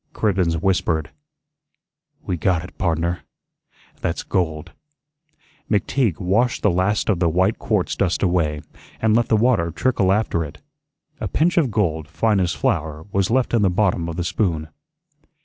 Cribbens whispered: "We got it, pardner. That's gold." McTeague washed the last of the white quartz dust away, and let the water trickle after it. A pinch of gold, fine as flour, was left in the bottom of the spoon.